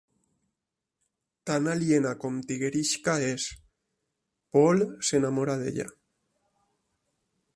Tan aliena com Tigerishka és, Paul s'enamora d'ella.